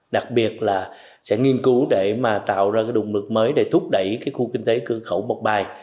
đặc biệt là sẽ nghiên cứu để mà tạo ra cái đụng lực mới để thúc đẩy cái khu kinh tế cửa khẩu một bài